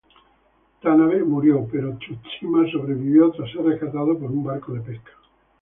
Tanabe murió, pero Tsushima sobrevivió tras ser rescatado por un barco de pesca.